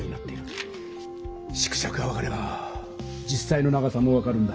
縮尺が分かれば実さいの長さも分かるんだ。